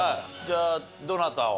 じゃあどなたを？